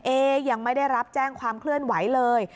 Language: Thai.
ยังไม่ได้รับแจ้งความเคลื่อนไหวเลย